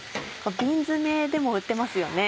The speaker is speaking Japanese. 瓶詰めでも売ってますよね。